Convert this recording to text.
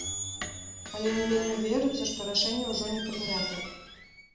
Але не вельмі верыцца, што рашэнне ўжо не прынятае.